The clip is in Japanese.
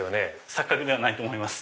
錯覚ではないと思います。